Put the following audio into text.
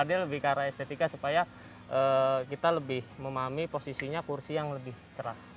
dia lebih ke arah estetika supaya kita lebih memahami posisinya kursi yang lebih cerah